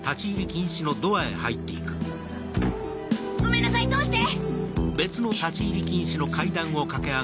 ごめんなさい通して！